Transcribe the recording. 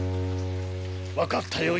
分かったよ